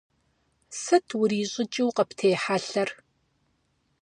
Сыт урищӀыкӀыу къыптехьэлъэр?